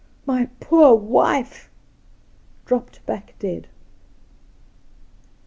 my poor wife !" dropped back dead.'